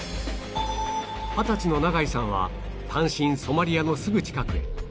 二十歳の永井さんは単身ソマリアのすぐ近くへ